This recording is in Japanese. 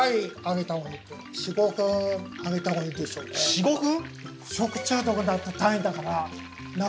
４５分⁉え！